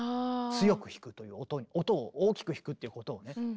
強く弾くという音を大きく弾くっていうことをね。